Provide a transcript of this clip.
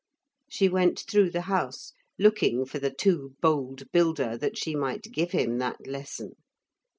She went through the house, looking for the too bold builder that she might give him that lesson.